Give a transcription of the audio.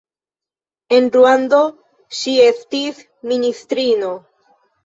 En Ruando ŝi estis ministrino.